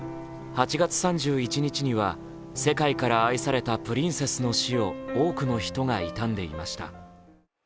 ８月３１日には世界から愛されたプリンセスの死を多くの人が悼んでいました。